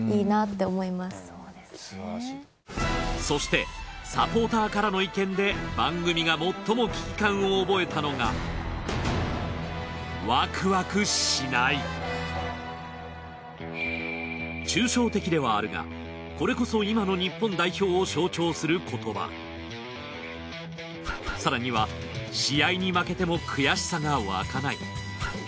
そしてサポーターからの意見で番組がもっとも危機感を覚えたのが抽象的ではあるがこれこそ更には試合に負けても悔しさが沸かない。